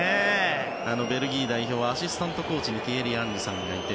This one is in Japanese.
ベルギー代表アシスタントコーチのティエリ・アンリさんがいて。